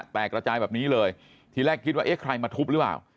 กระจายแบบนี้เลยทีแรกคิดว่าเอ๊ะใครมาทุบหรือเปล่า